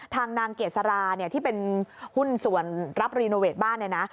นางเกษราเนี่ยที่เป็นหุ้นส่วนรับรีโนเวทบ้านเนี่ยนะ